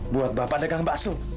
buat bapak dagang bakso